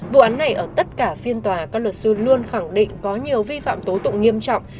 vụ án này ở tất cả phiên tòa các luật sư luôn khẳng định có nhiều vi phạm tố tụng nghiêm trọng